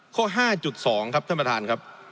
ข้อ๕๒ครับท่านประธานครับ